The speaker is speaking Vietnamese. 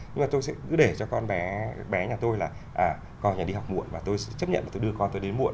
nhưng mà tôi sẽ cứ để cho con bé nhà tôi là con nhà đi học muộn và tôi sẽ chấp nhận tôi đưa con tôi đến muộn